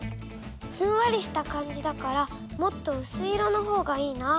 ふんわりした感じだからもっとうすい色のほうがいいな。